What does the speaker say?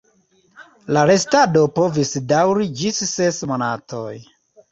La restado povis daŭri ĝis ses monatoj.